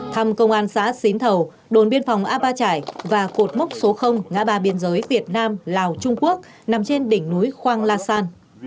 thăm công an xã xín thầu đồn biên phòng a ba trải và cột mốc số ngã ba biên giới việt nam lào trung quốc nằm trên đỉnh núi khoang la san